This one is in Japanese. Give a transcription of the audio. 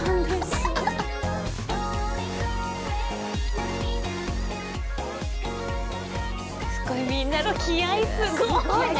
すごいみんなの気合いすごい。